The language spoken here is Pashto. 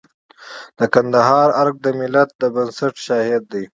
د کندهار ارګ د ملت د بنسټ شاهد دی.